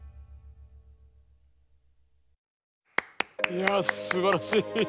いやすばらしい。